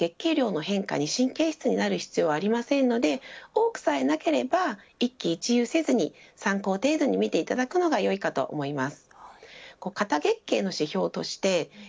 ただ個人レベルでは多すぎる方以外は月経量の変化に神経質になる必要はありませんので多くさえなければ一喜一憂せずに参考程度に見ていただくのがよいかと思います。